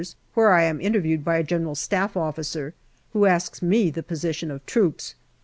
where I am interviewed by a G.S. Officer, who asks me the position of troops.